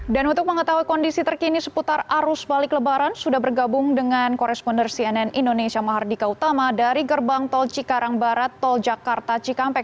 dan untuk mengetahui kondisi terkini seputar arus balik lebaran sudah bergabung dengan koresponder cnn indonesia mahardika utama dari gerbang tol cikarang barat tol jakarta cikampek